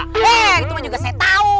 hei itu mah juga saya tau